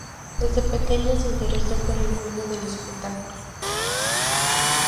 Desde pequeño se interesó por el mundo del espectáculo.